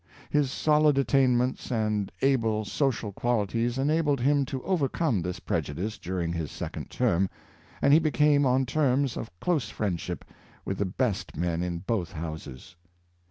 His solid attainments and able social qualities enabled him to overcome this prejudice during his second term, and he became on terms of close friendship with the best men in both Houses.